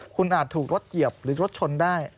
คุณอาจถูกรถเหยียบหรือรถชนได้